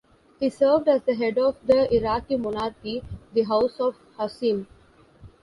He served as the head of the Iraqi monarchy-the House of Hashim.